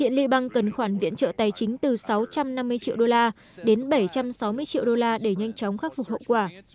hiện liban cần khoản viện trợ tài chính từ sáu trăm năm mươi triệu usd đến bảy trăm sáu mươi triệu usd để nhanh chóng khắc phục hậu quả